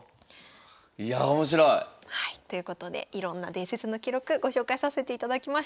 いや面白い！ということでいろんな伝説の記録ご紹介させていただきました。